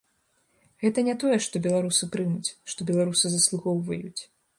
Гэта не тое, што беларусы прымуць, што беларусы заслугоўваюць.